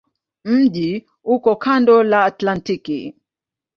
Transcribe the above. Mji uko kando la Atlantiki.